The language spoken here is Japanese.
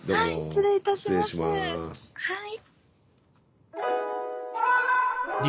失礼いたしますはい。